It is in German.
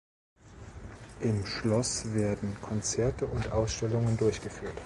Im Schloss werden Konzerte und Ausstellungen durchgeführt.